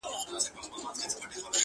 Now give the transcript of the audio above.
• تر ښایست دي پر آواز باندي مین یم,